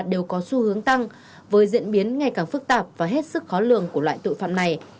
đều có xu hướng tăng với diễn biến ngày càng phức tạp và hết sức khó lường của loại tội phạm này